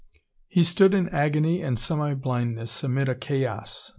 He stood in agony and semi blindness amid a chaos.